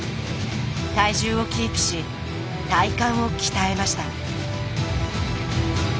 体重をキープし体幹を鍛えました。